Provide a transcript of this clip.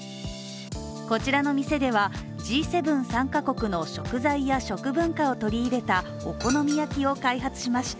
こちらの店ではＧ７参加国の食材や食文化を取り入れたお好み焼きを開発しました。